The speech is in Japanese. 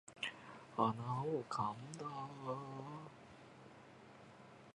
鼻をかんだ